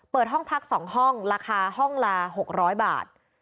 เปิดห้องพัก๒ห้องราคาห้องละ๖๐๐บาท